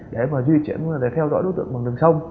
để mà di chuyển để theo dõi đối tượng bằng đường sông